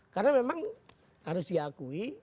karena memang harus diakui